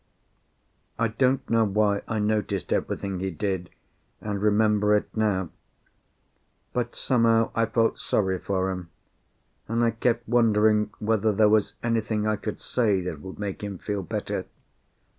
I don't know why I noticed everything he did, and remember it now; but somehow I felt sorry for him, and I kept wondering whether there was anything I could say that would make him feel better.